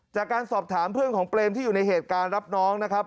จากการสอบถามเพื่อนของเปรมที่อยู่ในเหตุการณ์รับน้องนะครับ